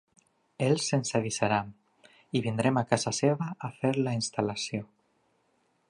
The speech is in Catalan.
Ells ens avisaran i vindrem a casa seva a fer la instal·lació.